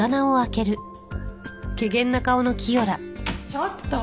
ちょっと！